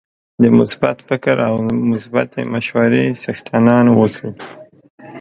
د مثبت فکر او مثبتې مشورې څښتنان اوسئ